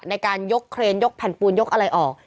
ในการยกเครนยกแผ่นปูนยกอะไรออก